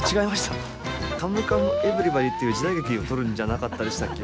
「かむかむえりばでぃ」っていう時代劇を撮るんじゃなかったでしたっけ？